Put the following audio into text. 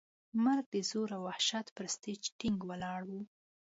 مرګ د زور او وحشت پر سټېج ټینګ ولاړ و.